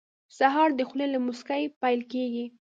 سهار د خولې له موسکۍ پیل کېږي.